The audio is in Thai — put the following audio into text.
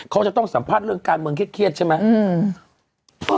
เขาจะต้องสัมภาษณ์เรื่องการเมืองเครียดใช่ไหม